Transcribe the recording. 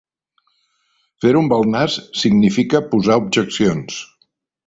Fer-ho amb el nas significa posar objeccions.